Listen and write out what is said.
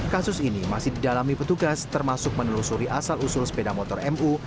kasus ini masih didalami petugas termasuk menelusuri asal usul sepeda motor mu